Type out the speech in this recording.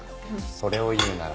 それを言うなら。